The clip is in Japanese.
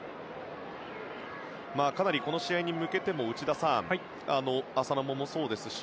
かなり、この試合に向けても浅野もそうですし